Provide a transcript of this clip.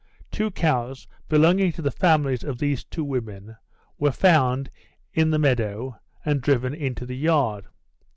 Two cows belonging to the families of these two women were found in the meadow, and driven into the yard.